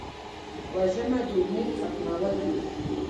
وژنه د امید ختمېدل دي